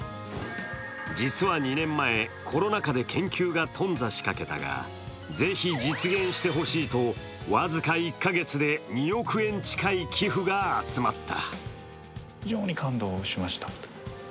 実は２年前、コロナ禍で研究が頓挫しかけたが是非実現してほしいと僅か１か月で２億円近い寄付が集まった。